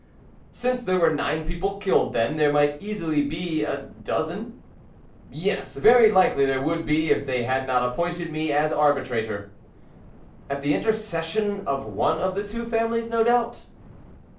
"Since there were nine people killed, then, there might easily be a dozen." "Yes, very likely there would be if they had not appointed me as arbitrator." "At the intercession of one of the two families no doubt?"